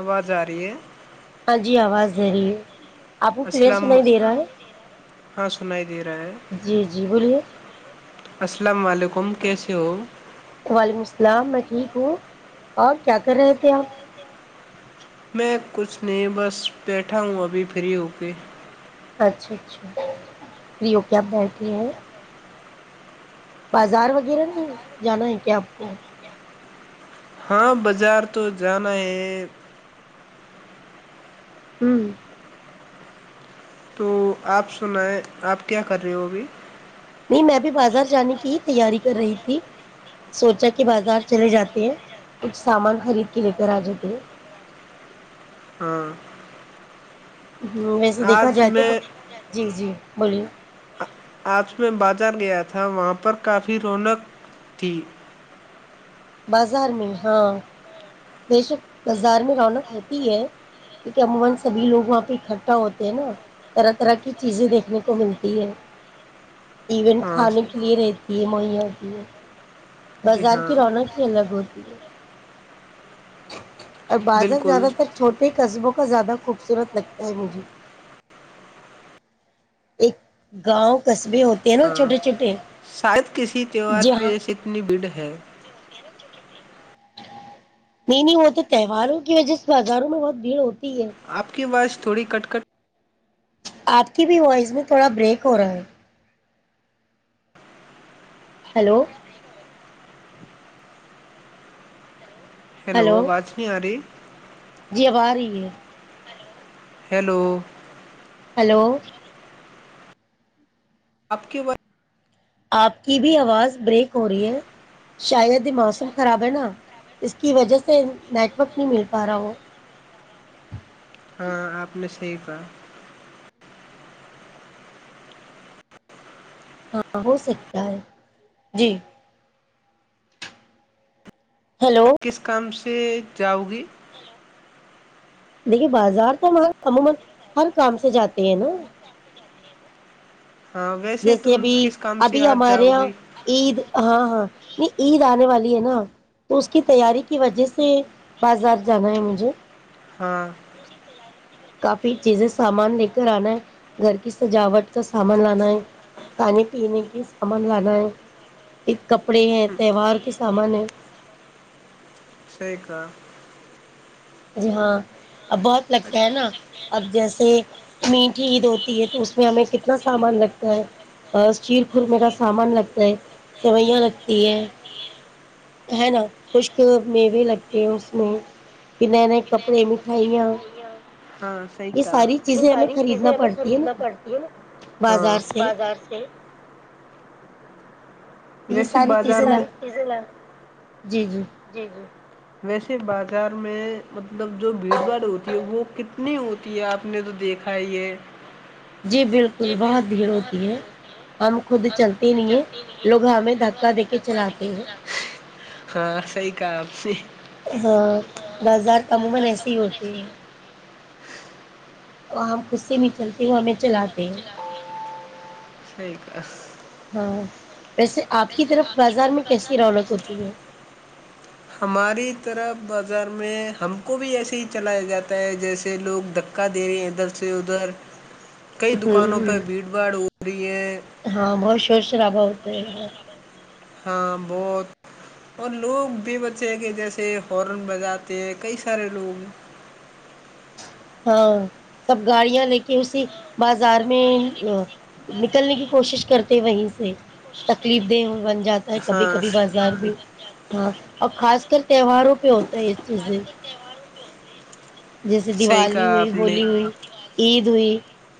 آواز آ رہی ہے ہاں جی آواز ذریع ہے آپ کو کلیئر السلام سنائی دے رہا ہے ہاں سنائی دے رہا ہے جی جی بولیے السلام علیکم حکم کیسے ہو وعلیکم السلام میں ٹھیک ہوں اور کیا کر رہے تھے آپ میں کچھ نہیں بس بیٹھا ہوں ابھی فری ہو کے اچھا اچھا پریو کیاپ بیٹھے ہیں بازار وغیرہ نہیں جانا ہے کیا آپ کو ہاں بازار تو جانا ہے ہوں تو آپ سنائیں آپ کیا کر رہے ہو اگھی نہیں میں بھی بازار جانے کی ہی تیاری کر رہی تھی سوچا کہ بازار چلے جاتے ہیں کچھ سامان خرید کے لے کر آ جاتے ہیں ہاں ہ ویسے دیکھا آج جائے تو میں جی جی بولیے آج میں بازار گیا تھا وہاں پر کافی رونق تھی بازار میں ہاں بےشک بازار میں رونق ہوتی ہے کیکہ عمومن سبھی لوگ وہاں پہ اکٹھا ہوتے ہیں نا طرح طرح کی چیزیں دیکھنے کو ملتی ہیں ایونٹ ہاں کھانے سر، کے لیے رہتی یہ موڑیا ہوتی ہے جی بازار ہاں کی رونق ہی الگ ہوتی ہے اور بازار بالکل زیادہ تر چھوٹے قصبوں کا زیادہ خوبصورت لگتا ہے مجھے ایک گاؤں کس ہاں شاید کسی تہوار کی جہاں وس اتنی بھیڑ ہے ہ [unintelligible] نہیں نہیں وہ تو تہواروں کی وجہ سے بازاروں میں بہت بھیڑ ہوتی ہے آپ کی وااز [unintelligible] تھوڑی کٹ کٹ آپ کی بھی وائس میں تھوڑا بریک ہو رہا ہے ہلو ہیلو ہلو آواز نہیں آ رہی جی اب آ رہی ہے ہیلو ہیلو آپ کیوں بات آپ کی بھی آواز بریک ہو رہی ہے شاید یہ موسم خراب ہے نا اس کی وجہ سے نیٹورک نہیں مل پا رہا ہو ہاں آپ نے صحیح کہا ہاں ہو سکتا ہے جی پ ہیلو کس کم [unintelligible] کہ جاؤ گی [unintelligible] ہاں ویسے جیسے تم ابھی کس کام سے ابھی آج ہمارے جاؤ یہاں گی عید ہاں ہاں نہیں عید آنے والی ہے نا تو اس کی تیاری کی وجہ سے بازار جانا ہے مجھے ہاں کافی چیزیں سامان لے کر آنا ہے گھر کی سجاوٹ کا سامان لانا ہے کھانے پینے کی سامان لانا ہے پھر کپڑے ہیں تہوار کے سامان ہے ش کا [unintelligible] جی ہاں اب بہت لگتا ہے نا اب جیسے میٹھی عید ہوتی ہے تو اس میں ہمیں کتنا سامان لگتا ہے شیر خورمے کا سامان لگتا ہے سیوئیاں لگتی ہے ہے نا خشک میوے لگتے ہیں اس میں کہ نئے نئے کپڑے مٹھائیاں ی یہ ساری یہ چیزیں ہمیں ساری چیزیں خریدنا ہمیں پڑتی ہے خریدنا نا پڑتی ہے نا بازار سے بازار سے [unintelligible] یہ ویسیے ساری بازار چیزیں لا میں ج جی [unintelligible] ویسے بازار میں مطلب جو بھیڑ باڑ ہوتی ہے وہ کتنی ہوتی ہے آپ نے تو دیکھا ہی یہ جی بالکل بہت بھیڑ ہوتی ہے ہم خود چلتے نہیں ہیں لوگوں گ ہاں صحیح [unintelligible] کہ [unintelligible] صح [unintelligible] سحییک ہے [unintelligible] ویسے آپ کی طرف بازار میں کیسی رونق ہوتی ہے ہماری طرف بازار میں ہم کو بھی ایسے ہی چلایا جاتا ہے جیسے لوگ دھکا دے رہے ہیں ادھر سے ادھر کئی دکانوں ہوں پہ بھیڑ بھاڑ ہو رہی ہے شرابا ہوتا ہے [unintelligible] بہت اور لوگ بھی بچے کہ جیسے ہارن بجاتے ہیں کئی سارے لوگ ہاں سب گاڑیاں لے کے اسی بازار میں نکلنے کی کوشش کرتے وہیں سے تکلیف دہ جاتا ہے کبھی ہاں کبھی بازار بھی [unintelligible] ہاں اور خاص کر تہواروں پہ ہوتا ہے اس چیزیں جیسے صحیح دیوالی کہا ہوئی آپ نے ہولی ہوئی عید ہوئی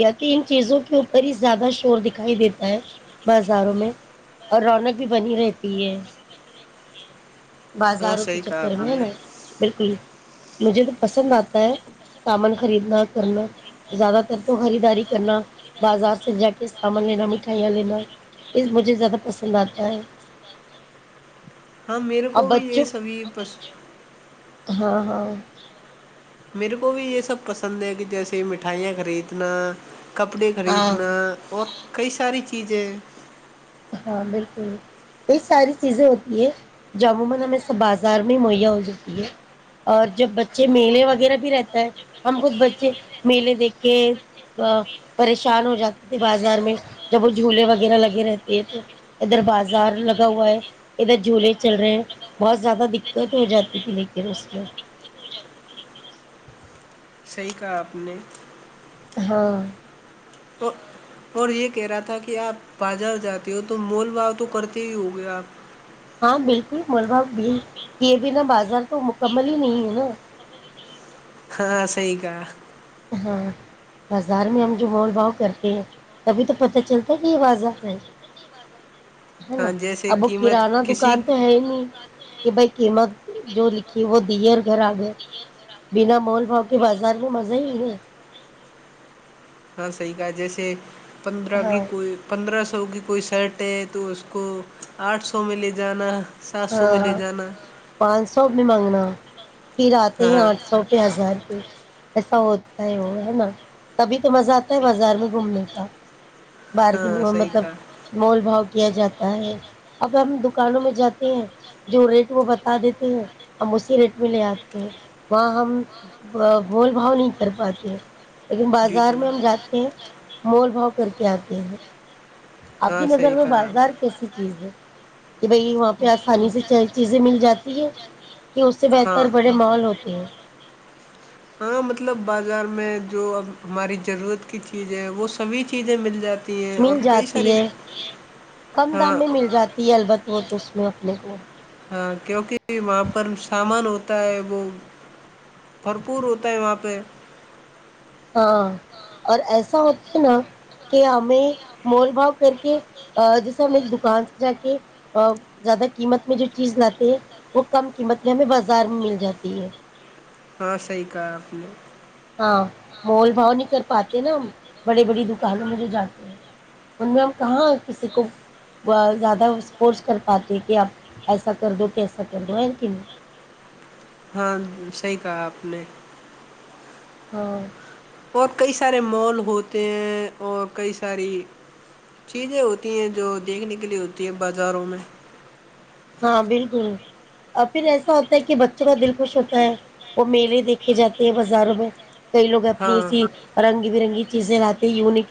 یا تو ان چیزوں کے اوپر ہی زیادہ شور دکھائی دیتا ہے بازاروں میں اور رونق بھی بنی رہتی ہے ہاں بازاروں کے صحیح کہا چکر آپ میں ہے نے نا بالکل ہی مجھے تو پسند آتا ہے سامان خریدنا کرنا زیادہ تر تو خریداری کرنا بازار سے جا کے سامان لینا مٹھائیاں لینا یہ مجھے زیادہ پسند آتا ہے ہاں میرے اور کو بھی یہ بچوں سبھی ہاں ہاں میرے کو بھی یہ سب پسند ہے کہ جیسے مٹھائیاں خریدنا کپڑے ہاں خریدنا اور کئی ساری چیزیں [unintelligible] تو ادھر بازار لگا ہوا ہے ادھر جھولے چل رہے ہیں بہت زیادہ دقت ہو جاتی تھی لیکن اس میں [unintelligible] صحیح کہا آپ نے ہاں [unintelligible] تو اور یہ کہہ رہا تھا کہ آپ بازار جاتے ہو تو مول بھاؤ تو کرتے ہی ہو گئے آپ ہاں بالکل ملبہ یہ بنا بازار تو مکمل ہی نہیں ہے نا [unintelligible] ہاں صحی گ ہاں بازار میں ہم جو مول بھاؤ کرتے ہیں تبھی تو پت چلتا ہے کہ یہ بازار ہے [unintelligible] ہے نا ہاں جیسے اب وہ قیمت کررانہ کسی دکان تو ہے ہی نہیں [unintelligible] کہ بھائی قیمت جو لکھی وہ دی اور گھر آ گئے بنا مول بھاؤ کے بازار میں مز [unintelligible] ج نہیں [unintelligible] ہاں صحی کہ جیسے پندرہ کی ہاں کوئی پندرہ سو کی کوئی شرٹ ہے تو اس کو آٹھ سو میں لے جانا سات سو میں ہاں لے جانا پانچ سو [unintelligible] ک نہیں مانگنا [unintelligible] پھر آتے ہاں ہیں ہاں آٹھ سو پہ ہزار پ [unintelligible] ایسا ہوتا ہے وہ ہے نا تبھی تو مزہ آتا ہے بازار میں گھومنے کا [unintelligible] باہگ ہاں نہیں صحیح مطلب کہا مول بھؤ [unintelligible] کیا جاتا ہے اب ہم دکانوں میں جاتے ہیں جو ریٹ وہ بتا دیتے ہیں ہم اسی ریٹ میں لے آتے ہیں وہاں ہم بھول بھاؤ نہیں کر پاتے [unintelligible] لیکن جی بازار میں چلو ہم جاتے ہیں مول بھاؤ [unintelligible] کیا آتے ہے [unintelligible] آپ کی ہاں نظر صحیح میں کہا بازار آپ کیسی چیز ہے [unintelligible] کہ بھائی وہاں پہ آسانی سے [unintelligible] چیزیں مل جاتی ہیں [unintelligible] کہ اس سے ہاں بہتر بڑے ماحول ہوتے ہیں ہاں مطلب بازار میں جو اب ہماری ضرورت کی چیزیں وہ سبھی چیزیں مل جاتی ہیں اور مل کئی جاتی ساری ہے کم ہاں دام میں مل جاتی ہے البتہ تو تو اس میں اپنے کو ہاں کیونکہ وہاں پر سامان ہوتا ہے وہ بھرپور ہوتا ہے وہاں پہ ہاں اور ایسا ہوتا ہے نا کہ ہمیں مول بھاؤ کر کے جیسے ہم ایک دکان سے جا کے زیادہ قیمت میں جو چیز لاتے ہیں وہ کم قیمت میں ہمیں بازار میں مل جاتی ہے ہاں صحیح کہا آپ نے ہاں مول بھاؤ نہیں کر پاتے نا ہم بڑی بڑی دکانوں میں جو جاتے ہیں ان میں ہم کہاں کسی کو زیادہ سپورس کر پاتے کہ آپ ایسا کر دو کیسا کر دو کہ نہیں ہاں صحی کہا آپ نے ہاں اور کئی سارے مال ہوتے ہیں اور کئی ساری چیزیں ہوتی ہیں جو دیکھنے کے لیئے ہوتی ہیں بازاروں میں ہاں بالکل اور پھر ایسا ہوتا ہے کہ بچوں کا دل خوش ہوتا ہے وہ میلے دیکھے جاتے ہیں بازاروں میں کئی لو اپنی ہاں ایسی رنگی برنگی چیزیں لاتے یونک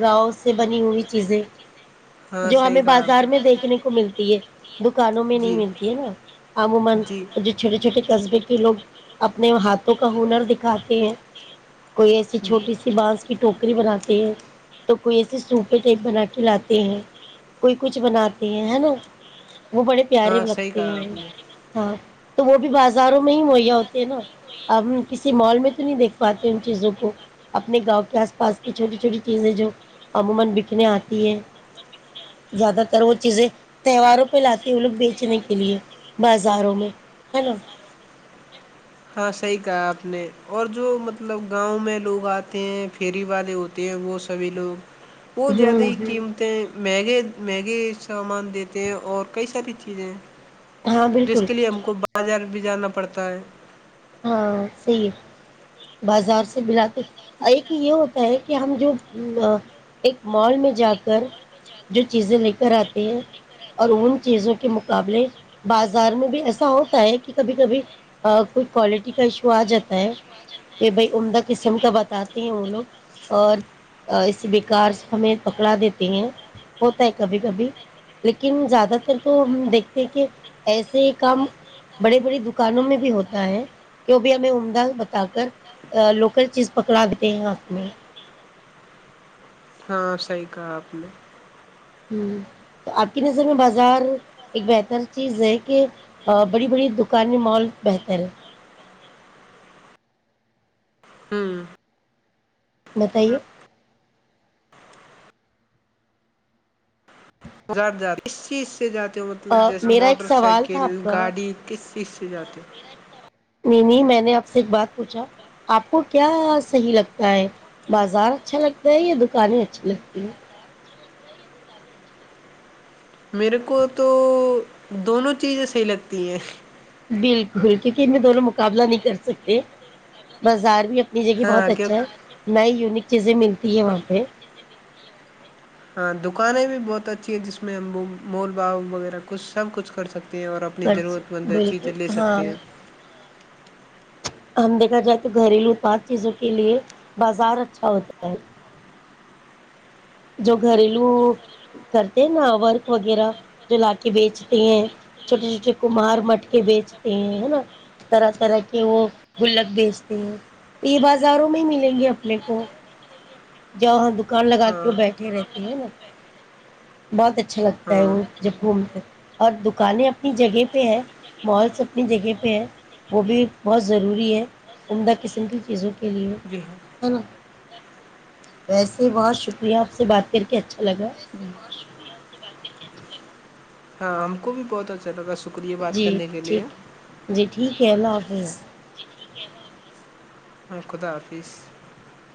گاوں سے بنی ہوئی چیزیں ہیں ہاں جو صحیح ہمیں کہا آپ بازار نے میں دیکھنے کو ملتی ہے دکانوں میں نہیں ملتی ہے نا عموما جو چھوٹے چھوٹے کزبے کہ لوگ اپنے ہاتھوں کا ہنر دکھاتے ہیں سنگنر کوئی ایسی دکھاتے چھوٹی سی بانس ٹوکری بناتے ہیں تو کوئی ایے سوپے ٹائپ بنا کے لاتے ہیں کوئی کچھ بناتے ہیں نا وہ بڑے پیارے ہاں صحیح لگتے کہا ہیں آپ نے ہاں بازاروں میں ہی معیا ہوتے ہیں نا اب کسی مال میں تو نہیں دیکھ پاتے ان چیزوں کو اپنے گاؤں کے اس پاس کی چھوٹی چھوٹی چیزیں جو عموما بکنے اتی ہیں زیادہ کرو وہ چیزیں تیواروں پہ لاتے ہیں وہ لوگ بیچنے کے لیے بازاروں میں ہے نا ہاں صحیح کہا آپ نے اور جو مطلب گاؤں میں لوگ آتے ہیں فھیری والے ہوتے ہیں وہ سبھی لوگ [unintelligible] وہ زیاد ہوں ہی ہوں قیمتیں مہ گ [unintelligible] میگی سامان دیتے ہیں اور کئی ساری چیزیں ہاں جس بالکل کے لیے ہم کو بازار بھی جانا پڑتا ہے ہاں صحی ہے بازار سے ملاتے ایک یہ ہوتا ہے کہ ہم جو ایک مال میں جا کر جو چیزیں لے کر آتے ہیں اور ان چیزوں کے مقابلے بازار میں بھی ایسا ہوتا ہے کہ کبھی کبھی کچھ کوالٹی کا ایشو آ جاتا ہے کہ بھائی عمدہ قسم کا بتاتے ہیں وہ لوگ اور اسے ب کار ہمیں پکڑا دیتے ہیں ہوتا ہے کبھی کبھی لیکن زیادہ تر تو ہم دیکھتے ہیں کہ ایسے ہی کام بڑے بڑی دکانوں میں بھی ہوتا ہے کیوں بھی ہمیں عمدہ بتا کر لوکل چیز پکڑا دیتے ہیں آنکھ میں ہاں صحیح کہا آپ نے ہ تو آپ کی نظر میں بازار ایک بہتر چیز ہے کہ بڑی بڑی دکانیں مال بہتر ہے ہاں [inaudible] بتائیے زر جد چس سے جاتے ہو مطلب جیسے میرا ایک موٹر سوال تھا سائیکل آپ کا گاڑی کس اس سے جاتے نہیں نہیں میں نے آپ سے ایک بات پوچھا آپ کو کیا صحیح لگتا ہے بازار اچھا لگتا ہے یا دکانیں اچھی لگتی ہیں میرے کو تو دونوں چیزیں صحیح لگتی ہیں بالکل کیونکہ ان میں دونوں مقابلہ نہیں کر سکتے بازار بھی نج جے کہ بہت ہاں کیوں اچھا ہے میں یونک [inaudible] [inaudible] چیز م [inaudible] ت ماں پہ [inaudible] ہاں دکانیں بھی بہت اچھی ہے جس میں ہم مول باؤ وغیرہ کچھ سب کچھ کر سکتے [unintelligible] ستے ہیں اور اپنی خرچ۔ ضرورت مند بالکل چیزیں لے ہاں سکتے ہیں [inaudible] ہم دیکھا جائے تو گھریلو اتپاد چیزوں کے لیے بازار اچھا ہوتا ہے [unintelligible] جو گھریلو کرتے ہیں نا ورک وغیرہ جو لا کے بیچتے ہیں چھوٹے چھوٹے کمہار مٹ کے بیچتے ہیں نا طرح طرح کے وہ گلک بیچتے ہیں تو یہ بازاروں میں ہی ملیں گے اپنے کو [unintelligible] ج وہاں دکان ہاں لگاتے بیٹھے رہتے ہیں ہے نا بہت اچھا لگتا ہے ہاں وہ جب گھومتے اور دکانیں اپنی جگہ پہ ہے مالس اپنی جگہ پہ ہے وہ بھی بہت ضروری ہے عمدہ قسم کی چیزوں کے لیے جی ہے نا [unintelligible] ویسے وہاں شکریہ آپ سے بات کر کے اچھا لگا [unintelligible] ہاں ہم کو بھی بہت اچھا لگا [unintelligible] جی کرنے کے ٹھیک لیے ہے جی ٹھیک ہے اللہ حافظ [unintelligible] خدا حافظ [unintelligible]